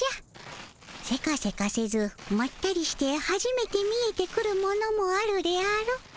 セカセカせずまったりしてはじめて見えてくるものもあるであろ？